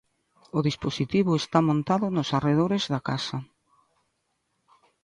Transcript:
O dispositivo está montado nos arredores da casa.